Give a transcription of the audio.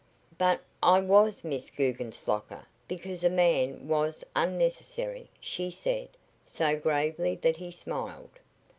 "But I was Miss Guggenslocker because a man was unnecessary," she said, so gravely that he smiled.